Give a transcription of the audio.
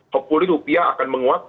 hopefully rupiah akan menguat